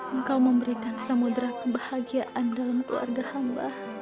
engkau memberikan samudera kebahagiaan dalam keluarga hamba